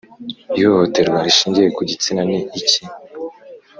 Ihohoterwa rishingiye ku gitsina ni iki